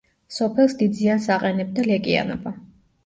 სოფელს დიდ ზიანს აყენებდა ლეკიანობა.